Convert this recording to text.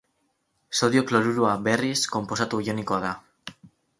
Sodio kloruroa, berriz, konposatu ionikoa da.